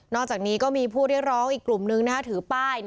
อกจากนี้ก็มีผู้เรียกร้องอีกกลุ่มนึงถือป้าย